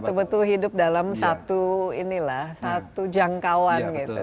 tapi hidup dalam satu jangkauan